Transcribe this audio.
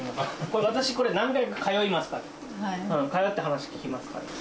私、何べんも通いますから、通って話聞きますから。